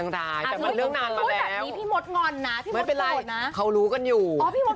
แต่เป็นไรเคยรู้อยู่